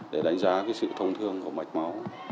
để đánh giá sự thông thương của mạch máu